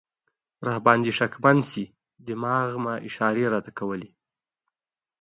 را باندې شکمن شي، دماغ مې اشارې راته کولې.